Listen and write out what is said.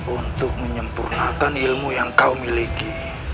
untuk menyempurnakan ilmu yang kau miliki